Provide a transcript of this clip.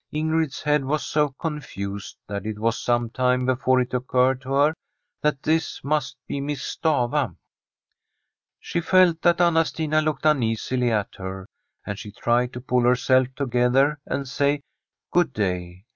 Ingrid's head was so confused, that it was some time before it occurred to her that this must be Miss Stafva. She felt that Anna Stina looked uneasily at her, and she tried to pull herself together and say * Good day.'